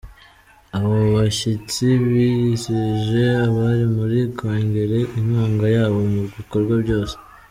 Abo bashyitsi bizeje abari muri Kongere inkunga yabo mu bikorwa byose